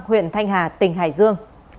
huyện thanh hà tỉnh hải dương